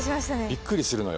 びっくりするのよ。